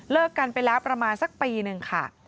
กันไปแล้วประมาณสักปีหนึ่งค่ะ